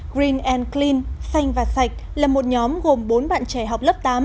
green and clean là một nhóm gồm bốn bạn trẻ học lớp tám